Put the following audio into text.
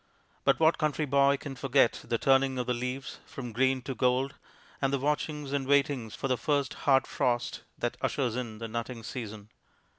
But what country boy can forget the turning of the leaves from green to gold, and the watchings and waitings for the first hard frost that ushers in the nutting season!